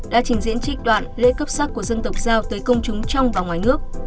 đã trình diễn trích đoạn lễ cấp sắc của dân tộc giao tới công chúng trong và ngoài nước